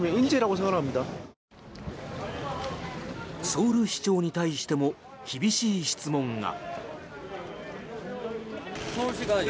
ソウル市長に対しても厳しい質問が。